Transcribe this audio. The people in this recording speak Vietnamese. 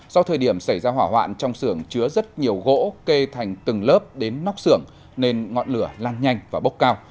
do thời điểm xảy ra hỏa hoạn trong sưởng chứa rất nhiều gỗ kê thành từng lớp đến nóc sưởng nên ngọn lửa lan nhanh và bốc cao